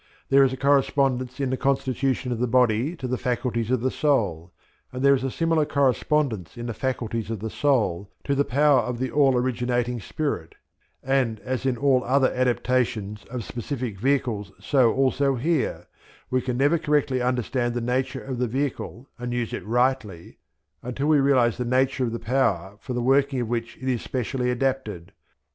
There is a correspondence in the constitution of the body to the faculties of the soul, and there is a similar correspondence in the faculties of the soul to the power of the All originating Spirit; and as in all other adaptations of specific vehicles so also here, we can never correctly understand the nature of the vehicle and use it rightly until we realize the nature of the power for the working of which it is specially adapted.